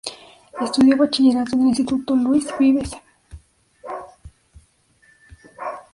Estudió Bachillerato en el Instituto Luis Vives.